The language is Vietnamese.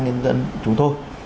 nhân dân chúng tôi